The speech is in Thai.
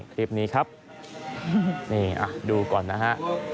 คลิปนี้ครับนี่ดูก่อนนะฮะ